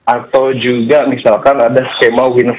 atau juga misalkan ada skema win for tax